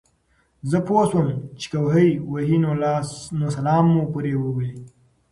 زۀ پوهه شوم چې کوهے وهي نو سلام مو پرې ووې